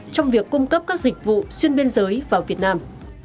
trong việc cung cấp các dịch vụ xuyên biên giới vào việt nam